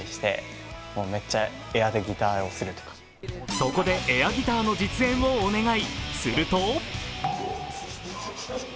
そこでエアギターの実演をお願い。